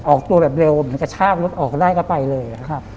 ออกตัวแบบเร็วเหมือนกระชากรถออกได้ก็ไปเลย